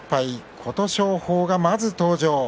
琴勝峰がまず登場。